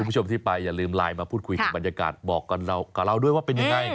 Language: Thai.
คุณผู้ชมที่ไปอย่าลืมไลน์มาพูดคุยกับบรรยากาศบอกกับเราด้วยว่าเป็นยังไง